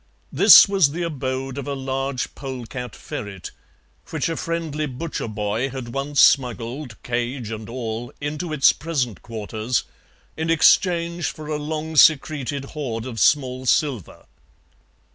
This was the abode of a large polecat ferret, which a friendly butcher boy had once smuggled, cage and all, into its present quarters, in exchange for a long secreted hoard of small silver.